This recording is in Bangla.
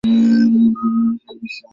তারা শুধু চায়নি যে বিশ্ব এটি জানুক।